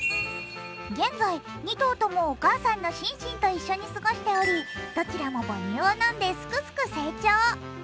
現在、２頭ともお母さんのシンシンと一緒に過ごしておりどちらも母乳を飲んですくすく成長。